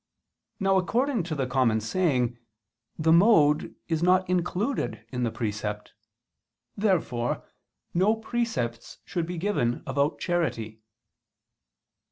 Now, according to the common saying, the mode is not included in the precept. Therefore no precepts should be given about charity.